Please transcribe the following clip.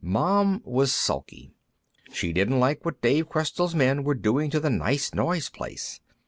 Mom was sulky. She didn't like what Dave Questell's men were doing to the nice noise place.